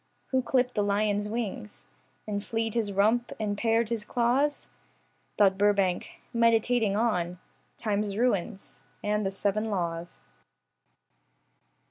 Who clipped the lion's wings And flea'd his rump and pared his claws? Thought Burbank, meditating on Time's ruins, and the seven laws.